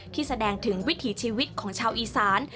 ที่แสดงถึงวิถีชีวิตของชาวอีสาน